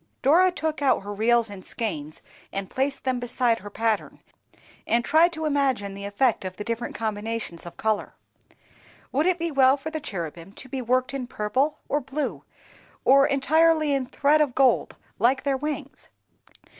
Dora took out her reels and skeins, and placed them beside her pattern, and tried to imagine the effect of the different combination of color. Would it be well for the cherubim to be worked in purple or blue, or entirely in thread of gold, like their wings?